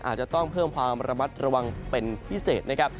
อาจจะต้องเพิ่มความระมัดระวังเป็นพิเศษนะครับ